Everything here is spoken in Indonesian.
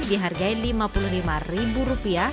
dihargai lima puluh lima rupiah